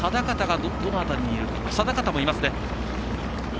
定方もいますね。